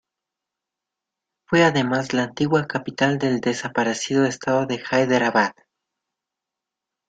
Fue además la antigua capital del desaparecido Estado de Hyderabad.